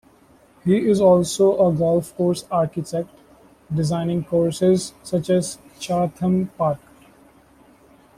He is also a golf course architect designing courses such as Chartham Park.